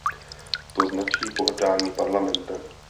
To značí pohrdání Parlamentem.